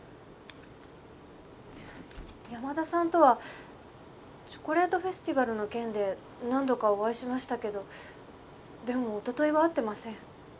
山田さんとはチョコレートフェスティバルの件で何度かお会いしましたけどでも一昨日は会ってません。